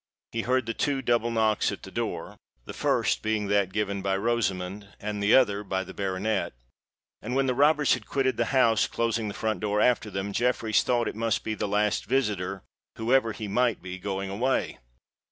He heard the two double knocks at the door—the first being that given by Rosamond, and the other by the baronet;—and when the robbers had quitted the house, closing the front door after them, Jeffreys thought it must be the last visitor (whoever he might be) going away.